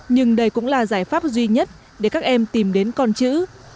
nhưng đây cũng là giải pháp duy nhất để các em tìm đến con chữ